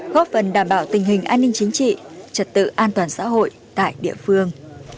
góp phần đảm bảo tình hình an ninh chính trị trật tự an toàn xã hội tại địa phương